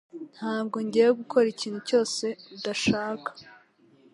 Ntabwo ngiye gukora ikintu cyose udashaka